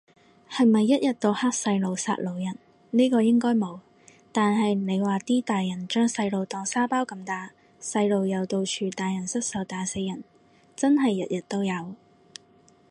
係咪一日到黑細路殺老人，呢個應該冇，但係你話啲大人將細路當沙包咁打，細路又到處打人失手打死人，真係日日都有